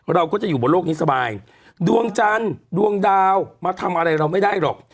เราก็จะอยู่บนโลกนี้สบายดวงจันทร์ดวงดาวมาทำอะไรเราไม่ได้หรอก